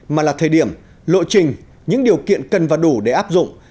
mà là thời điểm lộ trình những điều kiện cần và đủ để áp dụng